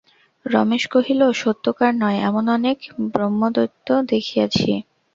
রমেশ কহিল, সত্যকার নয় এমন অনেক ব্রহ্মদৈত্য দেখিয়াছি।